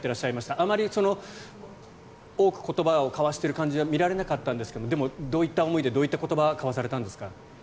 あまり多く言葉を交わしている感じは見られなかったんですけどでも、どういった思いでどういった言葉を交わされたんですか？